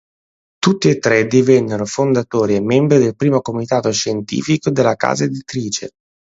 Tutti e tre divennero fondatori e membri del primo Comitato scientifico della casa editrice.